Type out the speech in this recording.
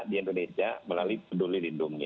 di indonesia melalui peduli lindungi